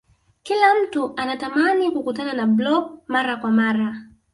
kila mtu anatamani kukutana na blob mara kwa mara